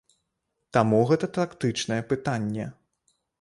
Таму гэта тактычнае пытанне.